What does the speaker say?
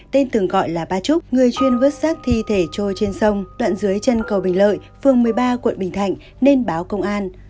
tên thường gọi là ba trúc người chuyên vớt xác thi thể trôi trên sông đoạn dưới chân cầu bình lợi phường một mươi ba quận bình thạnh nên báo công an